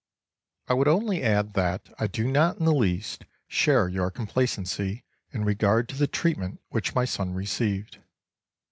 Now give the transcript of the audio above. I would only add that I do not in the least share your complacency in regard to the treatment which my son received.